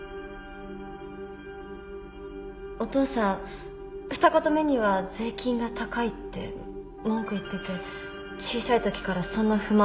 お父さん二言目には税金が高いって文句言ってて小さいときからそんな不満を聞かされてたって。